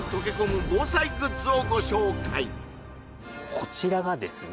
こちらがですね